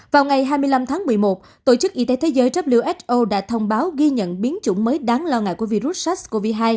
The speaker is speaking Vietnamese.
vào ngày hai mươi năm tháng một mươi một tổ chức y tế thế giới who đã thông báo ghi nhận biến chủng mới đáng lo ngại của virus sars cov hai